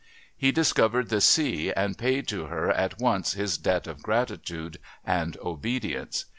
He discovered the Sea and paid to her at once his debt of gratitude and obedience.